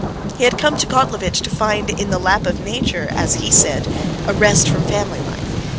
He had come to Kotlovitch to find in the lap of nature, as he said, a rest from family life.